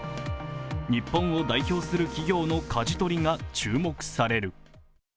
日本を代表する企業のかじ取りが注目される。